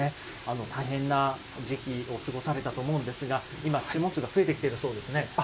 大変な時期を過ごされたと思うんですが、今、注文数が増えてきているそうですね。